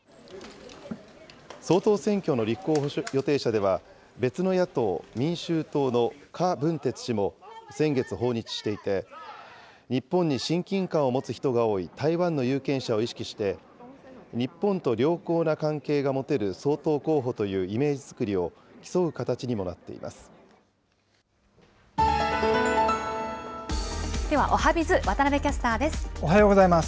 総統選挙の立候補予定者では、別の野党・民衆党の柯文哲氏も、先月訪日していて、日本に親近感を持つ人が多い台湾の有権者を意識して、日本と良好な関係が持てる総統候補というイメージ作りを競う形にではおはＢｉｚ、渡部キャスおはようございます。